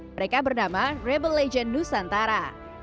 mereka bernama rebel legend nusantara